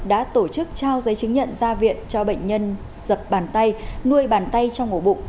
đã tổ chức trao giấy chứng nhận ra viện cho bệnh nhân dập bàn tay nuôi bàn tay trong ổ bụng